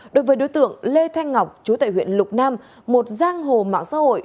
đối với đối tượng lê thanh ngọc chú tại huyện lục nam một giang hồ mạng xã hội